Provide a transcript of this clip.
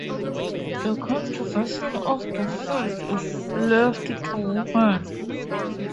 The cultivation of the fields is left to women.